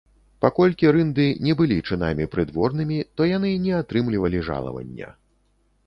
Паколькі рынды не былі чынамі прыдворнымі, то яны не атрымлівалі жалавання.